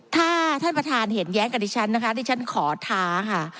ถ้าท่านประธานเห็นแย้งกับดิฉันนะคะที่ฉันขอท้าค่ะ